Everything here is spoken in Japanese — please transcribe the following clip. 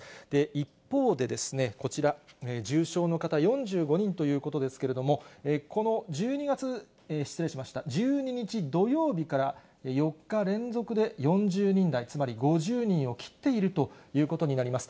一方で、こちら、重症の方４５人ということですけれども、この１２日土曜日から４日連続で４０人台、つまり５０人を切っているということになります。